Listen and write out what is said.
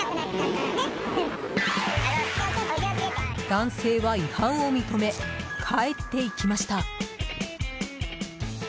男性は違反を認め帰っていきました。